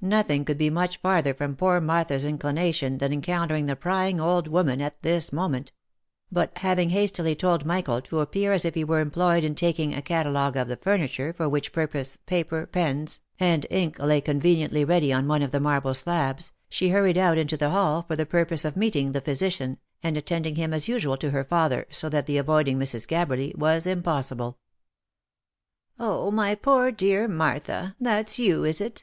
Nothing could be much farther from poor Martha's inclination than encountering the prying old woman at this moment; but having hastily told Michael to appear as if he were employed in taking a catalogue of the furniture, for which purpose, paper, pens, and ink lay conveniently ready on one of the marble slabs, she hurried out into the hall for the purpose of meeting the physician, and attending him as usual to her father — so that the avoiding Mrs. Gabberly was impossible. "Oh, my poor dear Martha! that's you, is it?